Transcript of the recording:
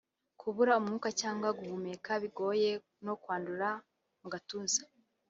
kubura umwuka cyangwa guhumeka bigoye no kwandura mu gatuza